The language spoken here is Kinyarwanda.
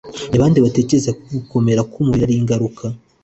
ni bande batekereza ko ʻgukomera k'umubiriʼ ari ingaruka